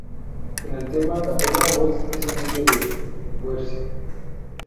En el tema la primera voz es Emilio del Guercio.